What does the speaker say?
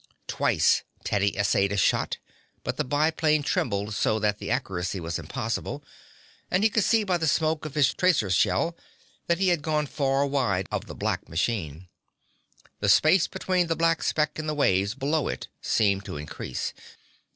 Twice Teddy essayed a shot, but the biplane trembled so that accuracy was impossible, and he could see by the smoke of his tracer shell that he had gone far wide of the black machine. The space between the black speck and the waves below it seemed to increase.